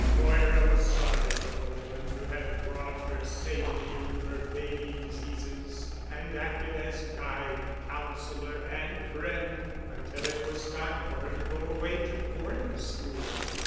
Moira was sorry for the woman who had brought her safely through her baby diseases and acted as guide, counselor and friend until it was time for her to go away to boarding school.